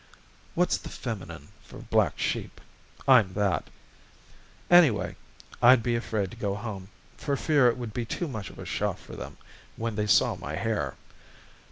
"What's the feminine for black sheep? I'm that. Anyway, I'd be afraid to go home for fear it would be too much of a shock for them when they saw my hair.